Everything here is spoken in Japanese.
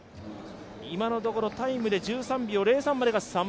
今のところタイムで１３秒０３まで。